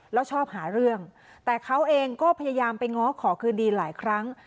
แล้วชอบหาเรื่องแต่เขาเองก็พยายามไปง้อขอคืนดีหลายครั้ง